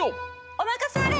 おまかせあれ！